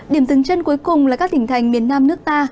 điểm dừng chân cuối cùng là các tỉnh thành miền nam nước ta